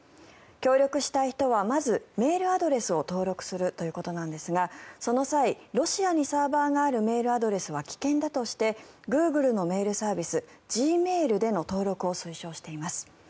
協力したい人はまずメールアドレスを登録するということなんですがその際、ロシアにサーバーがあるメールアドレスは危険だとしてグーグルのメールサービスＧｍａｉｌでの登録を推奨しています。